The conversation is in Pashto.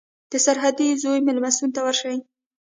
د سرحدي زون مېلمستون ته ورشئ.